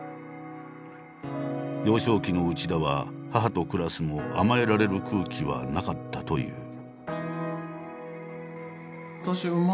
幼少期の内田は母と暮らすも甘えられる空気はなかったという。